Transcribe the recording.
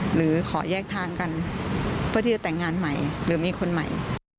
หรือขอแยกทางกันเพื่อที่จะแต่งงานใหม่หรือมีคนใหม่